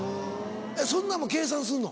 そんなんも計算すんの？